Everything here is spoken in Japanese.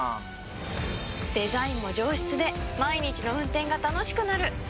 デザインも上質で毎日の運転が楽しくなる！